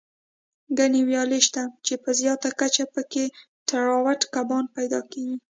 ګڼې ویالې شته، چې په زیاته کچه پکې تراوټ کبان پیدا کېږي.